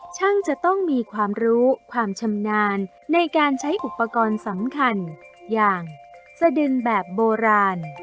ช่างจะต้องมีความรู้ความชำนาญในการใช้อุปกรณ์สำคัญอย่างสะดึงแบบโบราณ